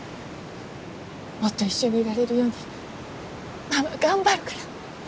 もっと一緒にいられるようにママ頑張るから。